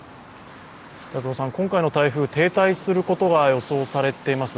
今回の台風、停滞することが予想されています。